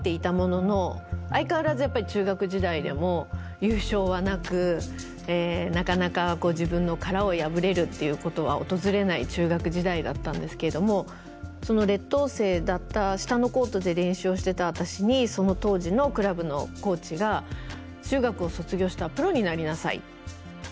やっぱり中学時代でも優勝はなくなかなか自分の殻を破れるっていうことは訪れない中学時代だったんですけれどもその劣等生だった下のコートで練習をしてた私にその当時のクラブのコーチが中学を卒業したらプロになりなさいって言ってくれたんですね。